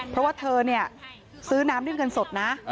เพราะว่าเธอเนี่ยซื้อน้ำด้วยเงินสดนะ